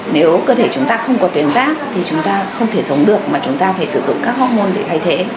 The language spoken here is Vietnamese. nếu cơ thể chúng ta không có tuyến giáp thì chúng ta không thể sống được mà chúng ta phải sử dụng các hóc môn để thay thế